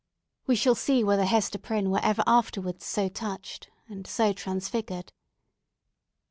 We shall see whether Hester Prynne were ever afterwards so touched and so transfigured.